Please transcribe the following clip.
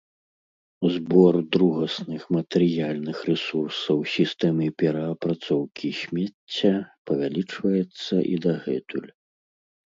Збор другасных матэрыяльных рэсурсаў сістэмы пераапрацоўкі смецця павялічваецца і дагэтуль